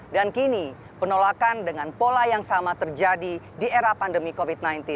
dan kini penolakan dengan pola yang sama terjadi di era pandemi covid sembilan belas